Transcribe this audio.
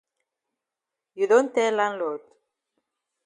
You don tell landlord?